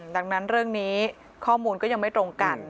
ดังนั้นเรื่องนี้ข้อมูลก็ยังไม่ตรงกัน